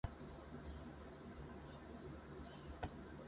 弗拉季斯拉夫二世更在此战中夺去莱茵费尔登的鲁道夫的金剑。